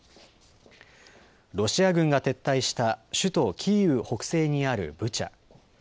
ロシア軍が撤退した首都キーウ北西にあるブチャ。